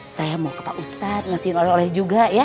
saya mau ke pak ustadz ngasihin oleh oleh juga ya